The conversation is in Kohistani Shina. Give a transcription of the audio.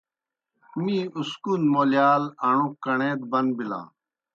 می اسکُون مولِیال اݨوْک کݨے دہ بن بِلان۔